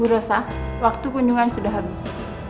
bu rosa waktu kunjungan sudah habis